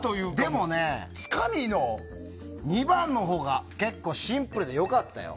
でもね、２番のほうがシンプルで良かったよ。